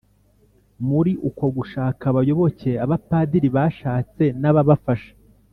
Muri uko gushaka abayoboke, Abapadiri bashatse n'ababafasha